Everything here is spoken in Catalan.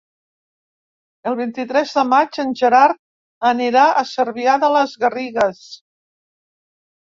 El vint-i-tres de maig en Gerard anirà a Cervià de les Garrigues.